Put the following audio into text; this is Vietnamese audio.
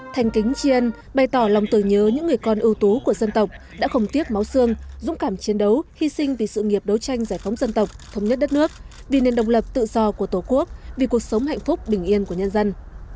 thành kính triên bày tỏ lòng tưởng nhớ những người con ưu tú của dân tộc đã không tiếc máu xương dũng cảm chiến đấu hy sinh vì sự nghiệp đấu tranh giải phóng dân tộc thống nhất đất nước vì nền độc lập tự do của tổ quốc vì cuộc sống hạnh phúc bình yên của nhân dân